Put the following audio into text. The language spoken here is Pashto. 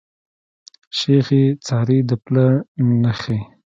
شيخ ئې څاري د پله نخښي